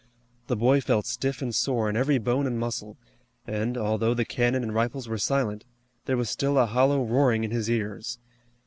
The boy felt stiff and sore in every bone and muscle, and, although the cannon and rifles were silent, there was still a hollow roaring in his ears.